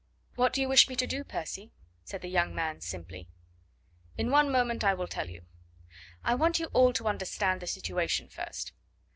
"What do you wish me to do, Percy?" said the young man simply. "In one moment I will tell you. I want you all to understand the situation first.